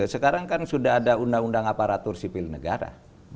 sekarang kan sudah ada undang undang aparatur sipil negara